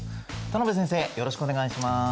田邊先生よろしくお願いします。